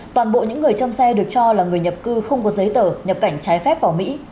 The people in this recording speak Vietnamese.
toàn bộ những người trong xe được cho là người nhập cư không có giấy tờ nhập cảnh trái phép vào mỹ